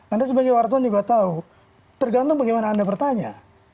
anda sebagai wartawan juga tahu tergantung bagaimana anda bertanya